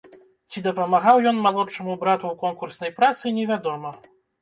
Ці дапамагаў ён малодшаму брату ў конкурснай працы, невядома.